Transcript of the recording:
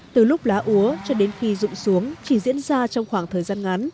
từ lúc lá úa cho đến khi rụng xuống chỉ diễn ra trong khoảng thời gian ngắn